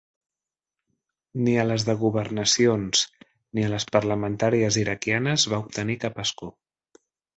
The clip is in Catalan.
Ni a les de governacions ni a les parlamentàries iraquianes va obtenir cap escó.